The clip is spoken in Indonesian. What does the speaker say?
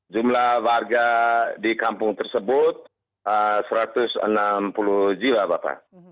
jumlah warga di kampung tersebut satu ratus enam puluh jiwa bapak